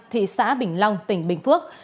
thị xã bình long tỉnh bình phước